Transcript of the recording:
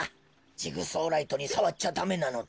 ジグソーライトにさわっちゃダメなのだ。